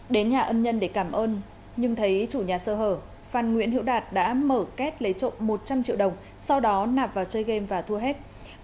đến nhà ân nhân để cảm ơn nhưng thấy chủ nhà sơ hở phan nguyễn hiệu đạt đã mở két lấy trộm một trăm linh triệu đồng sau đó nạp vào chơi game và thua hết